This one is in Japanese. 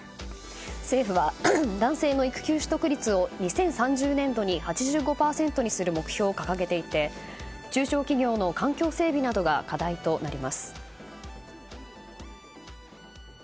政府は男性の育休取得率を２０３０年度に８５％にする目標を掲げていて中小企業の環境整備などが課題となります。